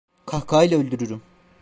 Kahkahayla öldürürüm…